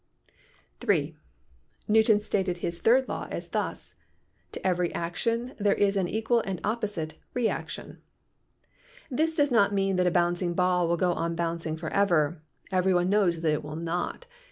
(3) Newton stated his third law thus: To every action there is an equal and opposite reaction. This does not mean that a bouncing ball will go on bouncing forever. Every one knows that it will not.